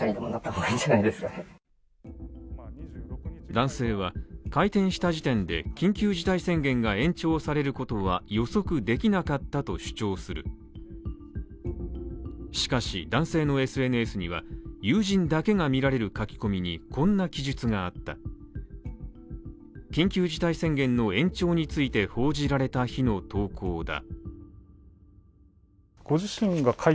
男性は開店した時点で緊急事態宣言が延長されることは予測できなかったと主張するしかし、男性のＳＮＳには、友人だけが見られる書き込みにこんな記述があった緊急事態宣言の延長について報じられた日の投稿だ。